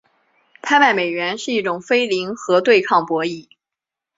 拍卖美元是一种非零和对抗博弈。